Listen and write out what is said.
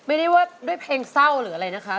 ไม่ได้ว่าด้วยเพลงเศร้าหรืออะไรนะคะ